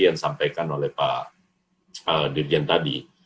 yang disampaikan oleh pak dirjen tadi